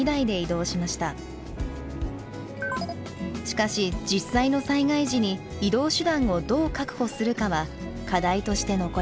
しかし実際の災害時に移動手段をどう確保するかは課題として残りました。